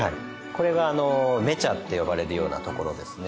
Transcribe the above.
これが芽茶って呼ばれるようなところですね。